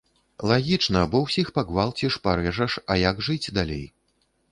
Лагічна, бо ўсіх пагвалціш, парэжаш, а як жыць далей?